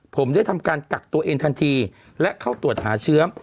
ผมได้ทำการกักตัวเองทันทีและเข้าตรวจหาเชื้อ